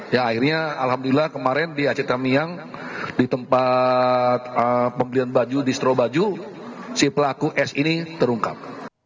ya akhirnya alhamdulillah kemarin di aceh tamiang di tempat pembelian baju distro baju si pelaku s ini terungkap